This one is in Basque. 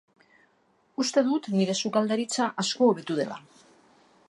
Uste dut nire sukaldaritza asko hobetu dela.